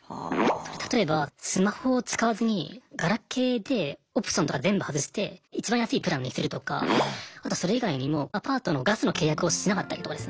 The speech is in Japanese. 例えばスマホを使わずにガラケーでオプションとか全部外していちばん安いプランにするとかあとそれ以外にもアパートのガスの契約をしなかったりとかですね。